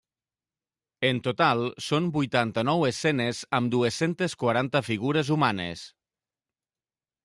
En total, són vuitanta-nou escenes amb dues-centes quaranta figures humanes.